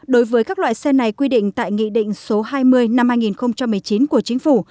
đối với các loại xe này quy định tại nghị định số hai mươi năm hai nghìn một mươi chín của chính phủ